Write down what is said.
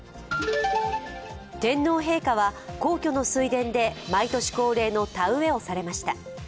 天皇陛下は皇居の水田で毎年恒例の田植えをされました。